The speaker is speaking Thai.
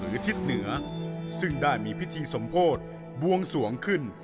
ทิศเหนือซึ่งได้มีพิธีสมโพธิบวงสวงขึ้น